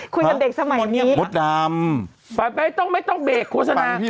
คุยกับเด็กสมัยนี้